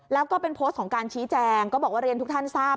แล้วก็เป็นโพสต์ของการชี้แจงก็บอกว่าเรียนทุกท่านทราบ